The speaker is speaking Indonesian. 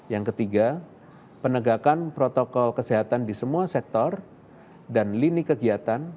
yang ketiga penegakan protokol kesehatan di semua sektor dan lini kegiatan